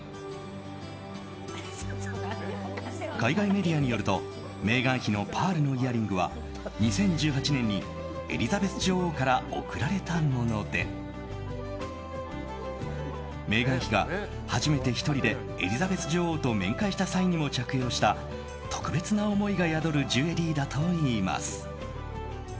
海外メディアによるとメーガン妃のパールのイヤリングは２０１８年にエリザベス女王から贈られたものでメーガン妃が初めて１人でエリザベス女王と面会した際にも着用した、特別な思いが宿るジュエリーだといいます。